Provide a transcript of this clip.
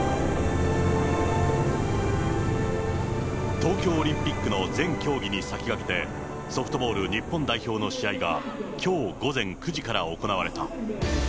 東京オリンピックの全競技に先駆けて、ソフトボール日本代表の試合が、きょう午前９時から行われた。